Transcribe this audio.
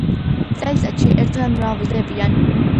წელიწადში ერთხელ მრავლდებიან.